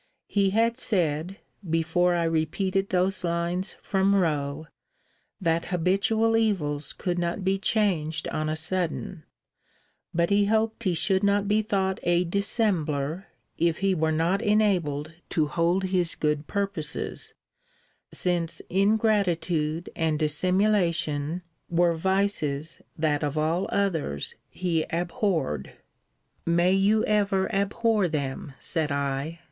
He had said, before I repeated those lines from Rowe, that habitual evils could not be changed on a sudden: but he hoped he should not be thought a dissembler, if he were not enabled to hold his good purposes; since ingratitude and dissimulation were vices that of all others he abhorred. May you ever abhor them, said I.